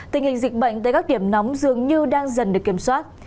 tình hình dịch bệnh tại các điểm nóng dường như đang dần được kiểm soát